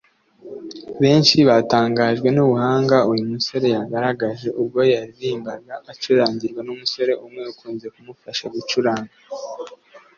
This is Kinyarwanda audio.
Benshi batangajwe n’ubuhanga uyu musore yagaragaje ubwo yaririmbaga acurangirwa n’umusore umwe ukunze kumufasha gucuranga